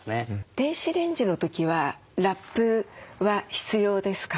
電子レンジの時はラップは必要ですか？